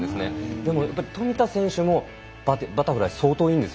でも富田選手もバタフライ相当いいんです。